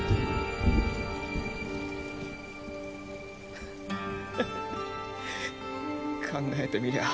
フフ考えてみりゃ。